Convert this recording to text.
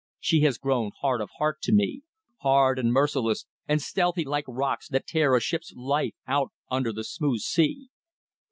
She has grown hard of heart to me. Hard and merciless and stealthy like rocks that tear a ship's life out under the smooth sea."